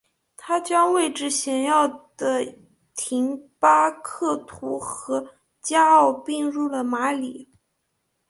他将位置显要的廷巴克图和加奥并入了马里。